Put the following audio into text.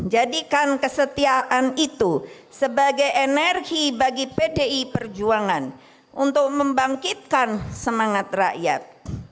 jadikan kesetiaan itu sebagai energi bagi pdi perjuangan untuk membangkitkan semangat rakyat